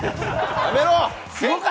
やめろ！